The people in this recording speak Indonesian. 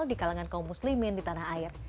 di kalangan kaum muslimin di tanah air